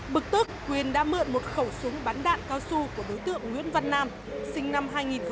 bực tức quyền đã mượn một khẩu súng bắn đạn cao su của đối tượng nguyễn văn nam sinh năm hai nghìn hai